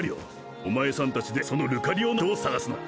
お前さんたちでそのルカリオナイトを探すのだ。